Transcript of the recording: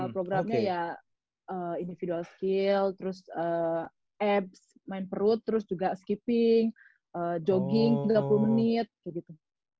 programnya ya individual skill terus apps main perut terus juga skipping jogging tiga puluh menit kayak gitu